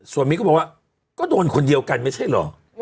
ส่วนมิ๊กก็บอกว่าก็โดนคนเดียวกันไม่ใช่เหรอ